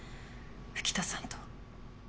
吹田さんと。